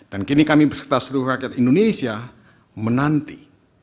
dan kini kami berserta seluruh rakyat indonesia menanti